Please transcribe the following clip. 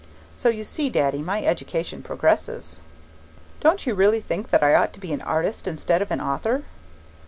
So you see, Daddy, my education progresses! Don't you really think that I ought to be an artist instead of an author?